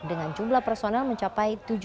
dengan jumlah personel mencapai